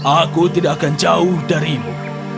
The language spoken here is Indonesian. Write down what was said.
aku tidak akan jauh darimu